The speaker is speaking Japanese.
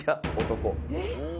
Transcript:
男。